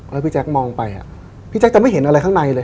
แล้วพี่แจ๊คมองไปพี่แจ๊คจะไม่เห็นอะไรข้างในเลย